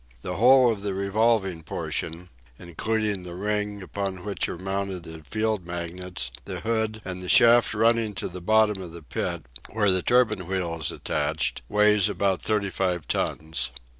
The whole of the revolving portion including the ring upon which are mounted the field magnets, the hood, and the shaft running to the bottom of the pit, where the turbine wheel is attached weighs about thirty five tons.